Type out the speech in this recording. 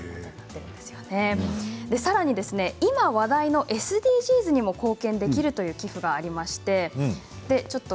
さらに今、話題のＳＤＧｓにも貢献できるという寄付があります。